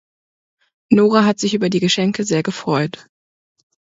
Nora hat sich über die Geschenke sehr gefreut.